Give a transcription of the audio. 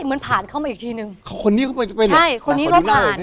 เหมือนผ่านเข้ามาอีกทีหนึ่งคนนี้เข้ามาอีกทีหนึ่งใช่คนนี้ก็ผ่าน